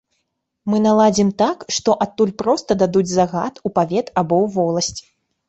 Мы наладзім так, што адтуль проста дадуць загад у павет або ў воласць.